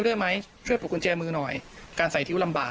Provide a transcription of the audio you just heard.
เพื่อให้ช่วยประสานเจ้าหน้าที่ปกครองชุดดังกล่าว